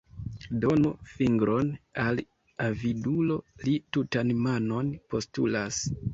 Donu fingron al avidulo, li tutan manon postulas.